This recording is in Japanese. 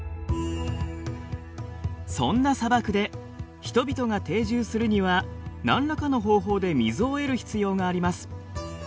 そんな砂漠で人々が定住するには何らかの方法で水を得る必要があります。